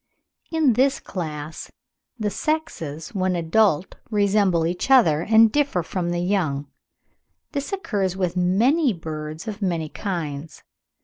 In this class the sexes when adult resemble each other, and differ from the young. This occurs with many birds of many kinds.